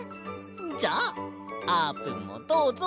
じゃああーぷんもどうぞ。